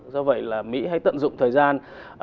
do vậy là mỹ hãy tận dụng thời gian